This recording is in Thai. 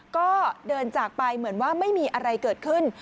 ก็เดินจากไปเหมือนว่าไม่มีอะไรเกิดขึ้น